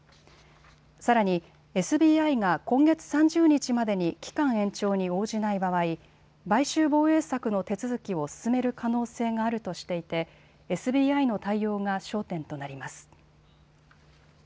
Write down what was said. さらにＳＢＩが今月３０日までに期間延長に応じない場合、買収防衛策の手続きを進める可能性があるとしていてＳＢＩの対応が焦点となります。